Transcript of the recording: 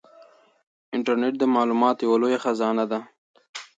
انټرنيټ د معلوماتو یوه لویه خزانه ده.